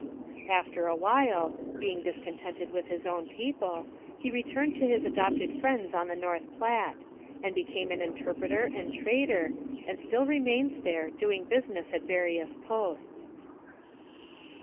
After a while, being discontented with his own people, he returned to his adopted friends on the North Platte, and became an interpreter and trader, and still remains there, doing business at various posts.